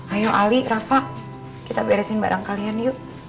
ayo ali rafa kita beresin barang kalian yuk